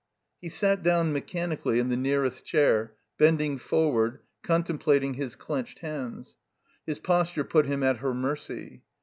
He sat down, mechanically, in the nearest chair, bending forward, contemplating his clenched hands. His posture put him at her mercy.